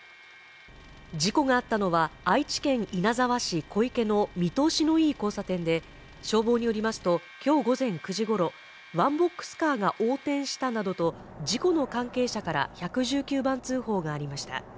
事故があったのは愛知県稲沢市小池の見通しの良い交差点で、消防によりますと今日午前９時頃、ワンボックスカーが横転したなどと事故の関係者から１１９番通報がありました。